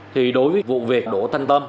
thì đối với vụ việc đổ tài